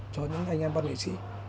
cho những anh em văn nghệ sĩ